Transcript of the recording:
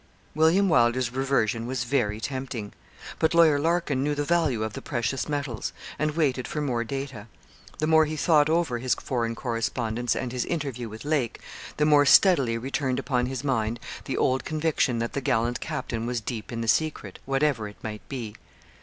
William Wylder's reversion was very tempting. But Lawyer Larkin knew the value of the precious metals, and waited for more data. The more he thought over his foreign correspondence, and his interview with Lake, the more steadily returned upon his mind the old conviction that the gallant captain was deep in the secret, whatever it might be.